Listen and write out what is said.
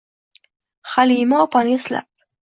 Halima opani eslab...